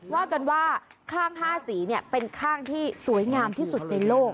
ว่ากันว่าข้าง๕สีเป็นข้างที่สวยงามที่สุดในโลก